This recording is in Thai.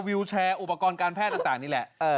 วิวแชร์อุปกรณ์การแพทย์ต่างนี่แหละ